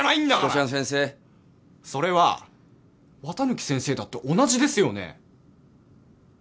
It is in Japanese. それは綿貫先生だって同じですよね？